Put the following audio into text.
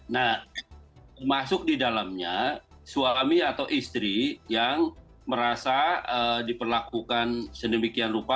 nah masuk di dalamnya suami atau istri yang merasa diperlakukan sedemikian rupa